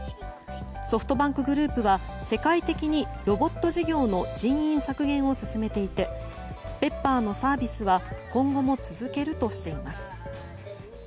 ソフトバンクグループは世界的にロボット事業の人員削減を進めていてＰｅｐｐｅｒのサービスは今後も続けるとしています。